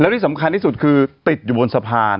ที่สำคัญที่สุดคือติดอยู่บนสะพาน